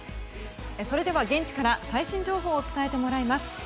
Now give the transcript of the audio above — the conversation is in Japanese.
それでは現地から最新情報を伝えてもらいます。